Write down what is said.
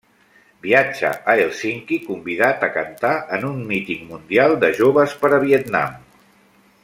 Viatja a Hèlsinki convidat a cantar en un Míting Mundial de Joves per a Vietnam.